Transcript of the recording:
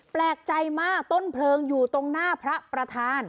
แปลกใจมากต้นเพลิงอยู่ตรงหน้าพระประธาน